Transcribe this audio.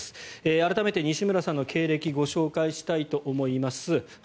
改めて西村さんの経歴をご紹介したいと思います。